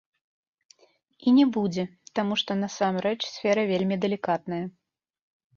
І не будзе, таму што, насамрэч, сфера вельмі далікатная.